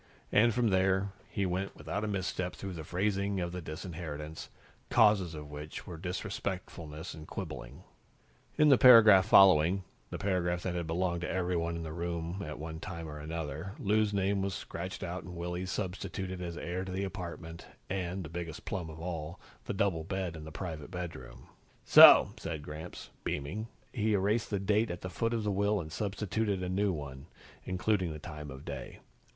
And, from there, he went without a misstep through the phrasing of the disinheritance, causes for which were disrespectfulness and quibbling. In the paragraph following, the paragraph that had belonged to everyone in the room at one time or another, Lou's name was scratched out and Willy's substituted as heir to the apartment and, the biggest plum of all, the double bed in the private bedroom. "So!" said Gramps, beaming. He erased the date at the foot of the will and substituted a new one, including the time of day.